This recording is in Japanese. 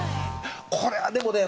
これはでもね